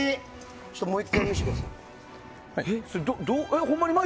もう１回、見せてください。